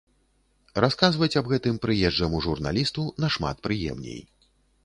Расказваць аб гэтым прыезджаму журналісту нашмат прыемней.